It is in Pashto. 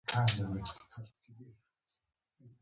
او احساساتو ته اجازه مه ورکوه چې پرېکړې دې خرابې کړي.